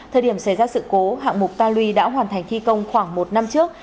thời điểm xảy ra sự cố hạng mục ta luy đã hoàn thành thi công khoảng một năm trước